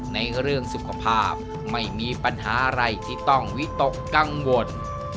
ในเรื่องสุขภาพไม่มีปัญหาอะไรที่ต้องวิตกกังวล